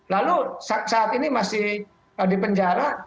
lalu saat ini masih di penjara